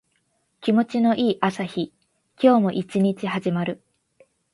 気持ちの良い朝日。今日も一日始まる。